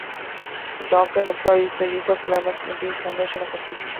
It often employs the use of climax in the summation of a speech.